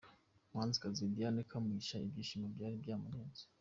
Umuhanzikazi Diana Kamugisha ibyishimo byari byamurenze.